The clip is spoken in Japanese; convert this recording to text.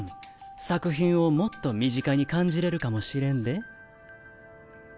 作品をもっと身近に感じれるかもしれんで。